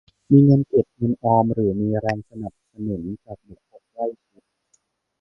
มีเงินเก็บเงินออมหรือมีแรงสนับสนุนจากบุคคลใกล้ชิด